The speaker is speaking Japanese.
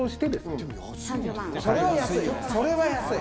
それは安い。